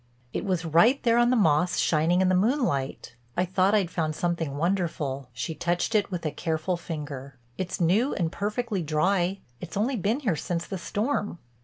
"It was right there on the moss shining in the moonlight. I thought I'd found something wonderful." She touched it with a careful finger. "It's new and perfectly dry. It's only been here since the storm."